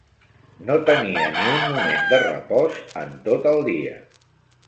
No tenia ni un moment de repòs en tot el dia.